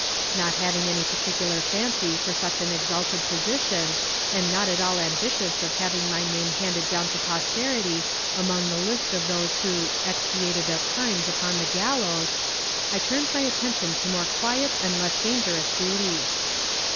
Not having any particular fancy for such an exalted position, and not at all ambitious of having my name handed down to posterity among the list of those who "expiated their crimes upon the gallows," I turned my attention to more quiet and less dangerous duties.